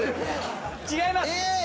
違います。